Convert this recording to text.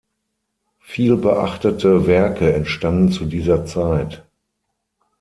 Vielbeachtete Werke entstanden zu dieser Zeit.